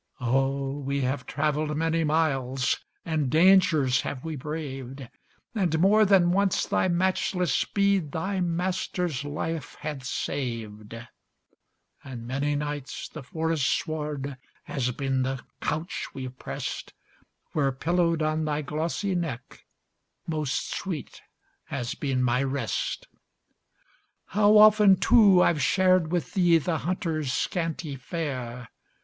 Oh! we have travelled many miles, And dangers have we braved; And more than once thy matchless speed Thy master's life hath saved; And many nights the forest sward Has been the couch we've pressed, Where, pillowed on thy glossy neck, Most sweet has been my rest. How often, too, I we shared with thee The hunter's scanty fare.